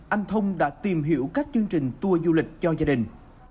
anh thông đã tìm hiểu các chương trình tour du lịch cho gia đình